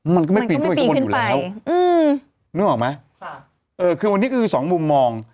มันก็ไม่ปีนขึ้นไปข้างบนอยู่แล้วอืมนึกออกไหมเออคือวันนี้ก็คือสองมุมมอง